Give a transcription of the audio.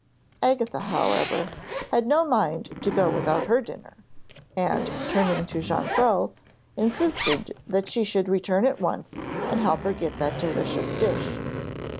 Agatha, however, had no mind to go without her dinner, and, turning to Jonquil, insisted that she should return at once and help her to that delicious dish.